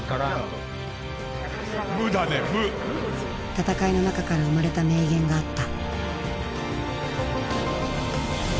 戦いの中から生まれた名言があった。